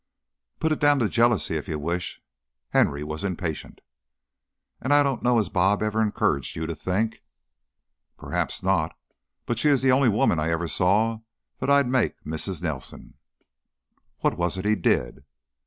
"Put it down to jealousy, if you wish." Henry was impatient. "And I don't know as 'Bob' ever encouraged you to think " "Perhaps not. But she is the only woman I ever saw that I'd make Mrs. Nelson." "What was it he did?"